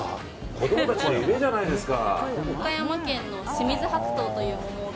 子供たちの夢じゃないですか。